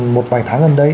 một vài tháng gần đây